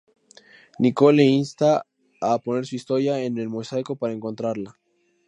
Nicole le insta a poner su historia en el Mosaico, para encontrarla.